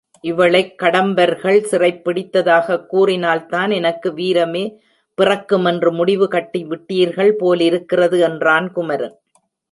இவளைக் கடம்பர்கள் சிறைப் பிடித்ததாகக் கூறினால்தான் எனக்கு வீரமே பிறக்குமென்று முடிவு கட்டிவிட்டீர்கள் போலிருக்கிறது என்றான் குமரன்.